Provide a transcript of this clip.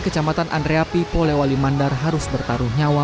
kecamatan andreapi polewali mandar harus bertaruh nyawa